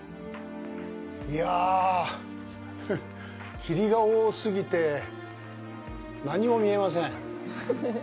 いや、霧が多すぎて何も見えません。